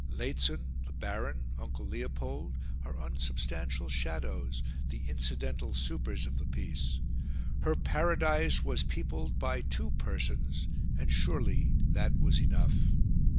Lehzen, the Baron, Uncle Leopold, are unsubstantial shadows the incidental supers of the piece. Her paradise was peopled by two persons, and surely that was enough.